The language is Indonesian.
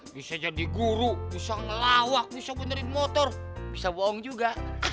bisa jadi guru bisa ngelawak bisa benerin motor bisa bohong juga